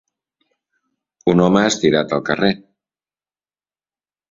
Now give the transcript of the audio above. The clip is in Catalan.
Un home estirat al carrer.